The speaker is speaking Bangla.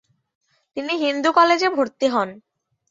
তিনি হিন্দু কলেজে ভর্তি হন।